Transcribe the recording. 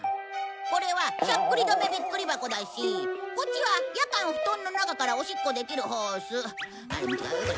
これはしゃっくりどめびっくり箱だしこっちは夜間ふとんの中からおしっこできるホース。